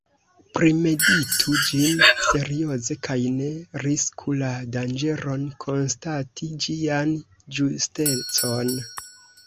Primeditu ĝin serioze, kaj ne risku la danĝeron, konstati ĝian ĝustecon.